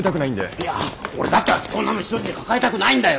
いや俺だってそんなの一人で抱えたくないんだよ！